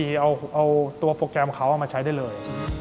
เอาตัวโปรแกรมของเขาเอามาใช้ได้เลย